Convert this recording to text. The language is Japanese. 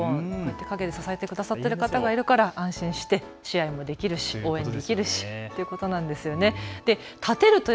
陰で支えてくださっている方がいるから安心して試合もできるし応援もできるしということなんですよね。